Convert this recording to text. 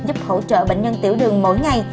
giúp hỗ trợ bệnh nhân tiểu đường mỗi ngày